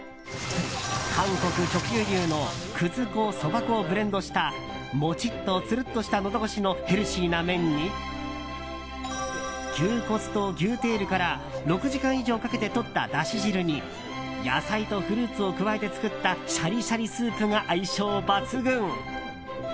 韓国直輸入の葛粉、そば粉をブレンドしたもちっと、つるっとしたのど越しのヘルシーな麺に牛骨と牛テールから６時間以上かけてとっただし汁に野菜とフルーツを加えて作ったシャリシャリスープが相性抜群。